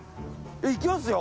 いきますよ！